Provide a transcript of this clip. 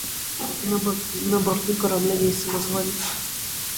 На борту корабля есть самозванец. Вычислите его, пока он не убил весь экипаж.